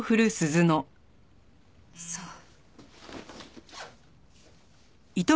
そう。